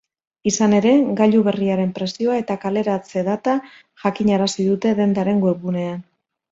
Izan ere, gailu berriaren prezioa eta kaleratze-data jakinarazi dute dendaren webgunean.